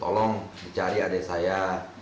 tolong dicari adik saya